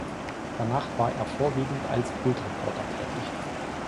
Danach war er vorwiegend als Bildreporter tätig.